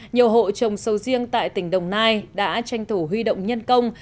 nhiều hộ trồng sầu riêng tại tỉnh đồng nai đã tranh thủ huy động nhân công